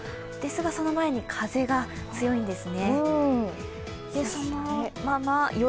ですがその前に風が強いんですね。